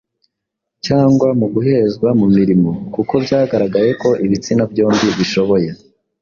cyangwa mu guhezwa mu mirimo kuko byagaragaye ko ibitsina byombi bishoboye.